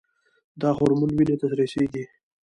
دا هورمون وینې ته رسیږي.